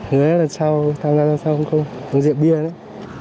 hứa lần sau tham gia lần sau không rượu bia đấy